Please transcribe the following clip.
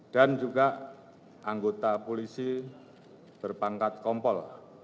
dan juga anggota polisi berpangkat kompol